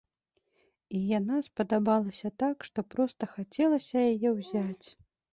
І яна спадабалася так, што проста хацелася яе ўзяць!